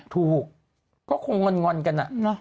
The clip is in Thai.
ถูกก็คงงอนกัน